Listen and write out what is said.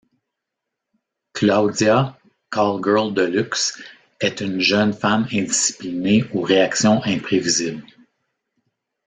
Claudia, call-girl de luxe, est une jeune femme indisciplinée aux réactions imprévisibles.